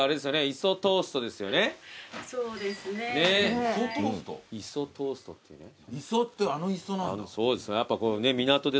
磯ってあの磯なんだ。